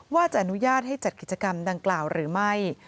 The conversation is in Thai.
ว่าจะอนุญาตให้จัดกิจกรรมดังกล่าวหรือไม่